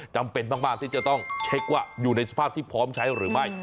จำเป็นมากที่จะต้องเช็คว่าอยู่ในสภาพที่พร้อมใช้หรือไม่